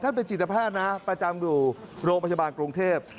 ท่านเป็นจิตภาพนะประจำอยู่โรคปัจจุบันกรุงเทพฯ